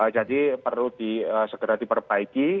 jadi perlu segera diperbaiki